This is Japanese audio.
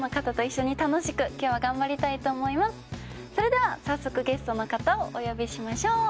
それでは早速ゲストの方をお呼びしましょう。